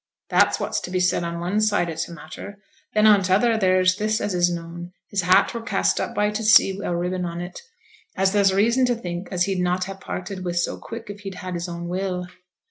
That's what's to be said on one side o' t' matter. Then on t' other there's this as is known. His hat were cast up by t' sea wi' a ribbon in it, as there's reason t' think as he'd not ha' parted wi' so quick if he'd had his own will.'